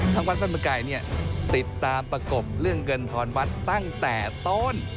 ทั้งวัดพระธรรมกายเนี่ยติดตามประกบเรื่องเงินทอนวัดตั้งแต่ต้น